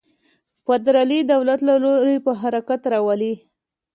فدرالي دولت له لوري په حرکت راولي.